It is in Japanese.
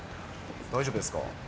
大丈夫ですか？